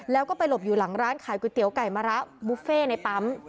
แล้วก็ไปหลบอยู่หลังร้านขายก๋วยเตี๋ยวไก่มะระบุฟเฟ่ในปั๊ม